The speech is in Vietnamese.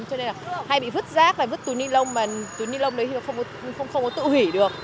cho nên là hay bị vứt rác và vứt túi ni lông mà túi ni lông đấy thì không có tự hủy được